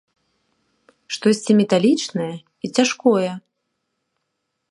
Штосьці металічнае і цяжкое!